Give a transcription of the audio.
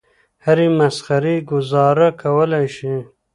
هرې مسخرې ګوزاره کولای شي.